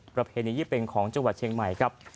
ประเพณียี่เป็งของจังหวัดเชียงใหม่ครับ